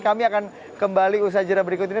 kami akan kembali usajara berikut ini